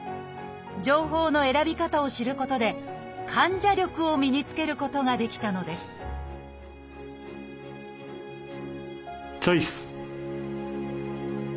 情報の選び方を知ることで患者力を身につけることができたのですチョイス！